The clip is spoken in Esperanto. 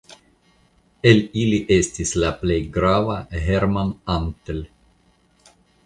El ili estis la plej grava Hermann Antell.